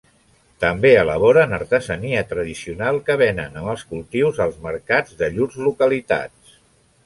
També elaboren artesania tradicional, que venen, amb els cultius, als mercats de llurs localitats.